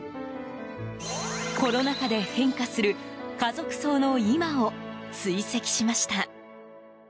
コロナ禍で変化する家族葬の今を追跡しました。